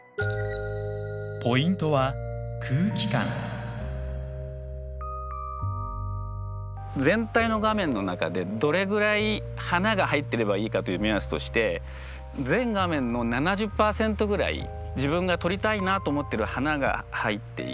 ポイントは全体の画面の中でどれぐらい花が入ってればいいかという目安として全画面の７０％ぐらい自分が撮りたいなと思ってる花が入っている。